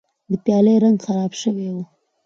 د پیالې رنګ خراب شوی و.